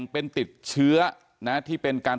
เป็นติดเชื้อนะที่เป็นการ